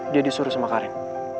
dia disuruh sama karin